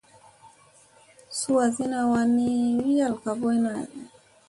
Suu asina wan ni wi yal ka ɓoyna.